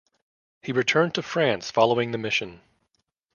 He returned to France following the mission.